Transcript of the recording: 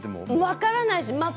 分からないです